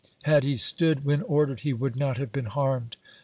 Had he stood when ordered, he would not have been harmed.